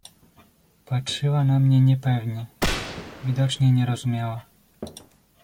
"Patrzyła na mnie niepewnie; widocznie nie rozumiała."